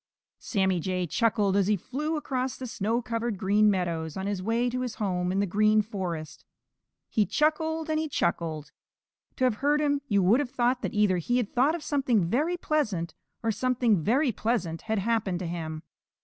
_ Sammy Jay chuckled as he flew across the snow covered Green Meadows on his way to his home in the Green Forest. He chuckled and he chuckled. To have heard him you would have thought that either he had thought of something very pleasant, or something very pleasant had happened to him.